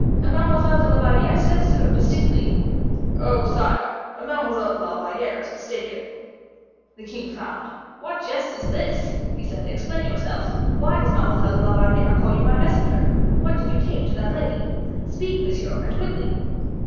"Mademoiselle de la Valliere says so, distinctly." "Oh, sire, Mademoiselle de la Valliere is mistaken." The king frowned. "What jest is this?" he said; "explain yourself. Why does Mademoiselle de la Valliere call you my messenger? What did you take to that lady? Speak, monsieur, and quickly."